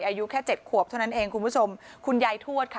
อายุแค่เจ็ดขวบเท่านั้นเองคุณผู้ชมคุณยายทวดค่ะ